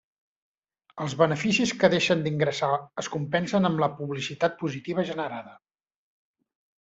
Els beneficis que deixen d'ingressar es compensen amb la publicitat positiva generada.